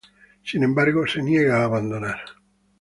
Sin embargo se niega a abandonar.